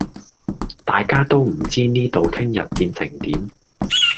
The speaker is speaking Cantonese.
大家都唔知呢度聽日變成點